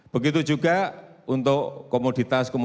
begitu juga untuk komoditas komoditas